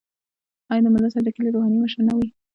آیا ملا صاحب د کلي روحاني مشر نه وي؟